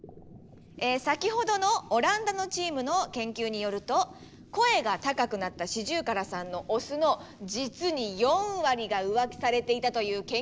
先ほどのオランダのチームの研究によると声が高くなったシジュウカラさんのオスの実に４割が浮気されていたという研究結果があります！